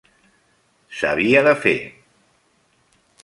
S'havia de fer.